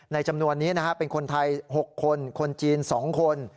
จำนวนนี้เป็นคนไทย๖คนคนจีน๒คน